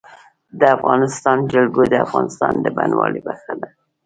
د افغانستان جلکو د افغانستان د بڼوالۍ برخه ده.